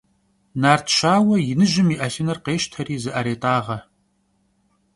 Nartşaue yinıjım yi 'elhınır khêşteri zı'erêt'ağe.